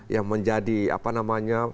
yang menjadi apa namanya